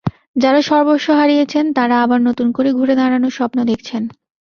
যাঁরা সর্বস্ব হারিয়েছেন তাঁরা আবার নতুন করে ঘুরে দাঁড়ানোর স্বপ্ন দেখছেন।